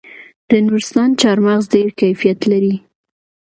د نورستان چهارمغز ډیر کیفیت لري.